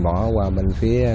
bỏ qua bên phía